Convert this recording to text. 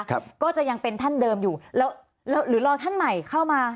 ก็จะยังเป็นท่านเดิมอยู่แล้วแล้วหรือรอท่านใหม่เข้ามา